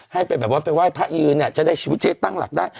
ให้ไปแบบว่าไปไหว้พระยืนเนี่ยจะได้ชีวิตเจ๊ตั้งหลักได้